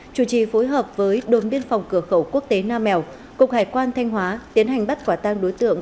chủ trì phối hợp với đồn biên phòng cửa khẩu quốc tế nam mèo cục hải quan thanh hóa tiến hành bắt quả tang đối tượng